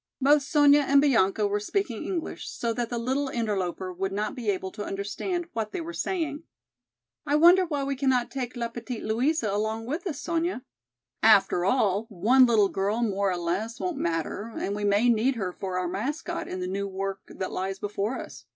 Both Sonya and Bianca were speaking English so that the little interloper would not be able to understand what they were saying. "I wonder why we cannot take 'La petite Louisa' along with us, Sonya? After all one little girl more or less won't matter and we may need her for our mascot in the new work that lies before us.